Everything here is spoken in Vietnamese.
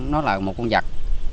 nó là một con vật